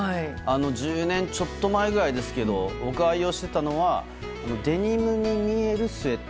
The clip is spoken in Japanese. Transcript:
１０年ちょっと前くらいですけど僕が愛用してたのはデニムに見えるスウェット。